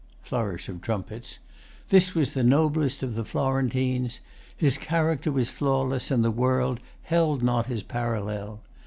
[Flourish of trumpets.] This was the noblest of the Florentines. His character was flawless, and the world Held not his parallel.